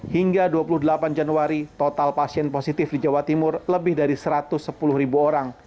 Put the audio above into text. hingga dua puluh delapan januari total pasien positif di jawa timur lebih dari satu ratus sepuluh ribu orang